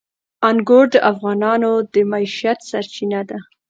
انګور د افغانانو د معیشت سرچینه ده.